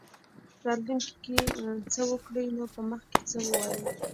راتلونکې کې څه وکړي نو په مخ کې څه ووایو.